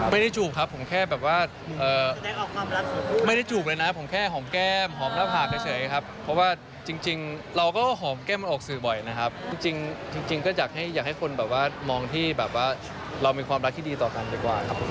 จูบครับผมแค่แบบว่าไม่ได้จูบเลยนะผมแค่หอมแก้มหอมหน้าผากเฉยครับเพราะว่าจริงเราก็หอมแก้มมันออกสื่อบ่อยนะครับจริงก็อยากให้คนแบบว่ามองที่แบบว่าเรามีความรักที่ดีต่อกันดีกว่าครับ